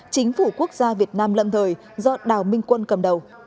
chính phủ quốc gia việt nam lâm thời do đào minh quân cầm đầu